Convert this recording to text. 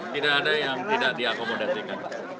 tidak ada yang tidak diakomodasikan